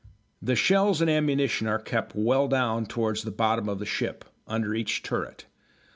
The shells and ammunition are kept well down towards the bottom of the ship, under each turret.